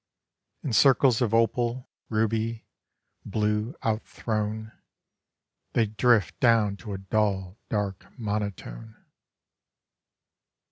In circles of opal, ruby, blue, out thrown, They drift down to a dull, dark monotone.